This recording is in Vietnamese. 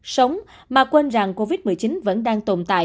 sống mà quên rằng covid một mươi chín vẫn đang tồn tại